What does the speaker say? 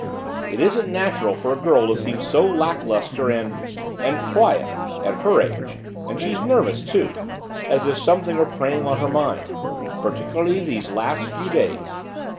"It isn't natural for a girl to seem so lackluster and and quiet at her age and she's nervous, too as if something were preying on her mind particularly these last few days.